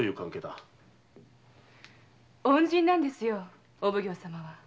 恩人なんですよお奉行様は。